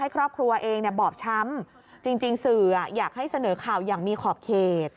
ครอบครัวเองบอบช้ำจริงสื่ออยากให้เสนอข่าวอย่างมีขอบเขต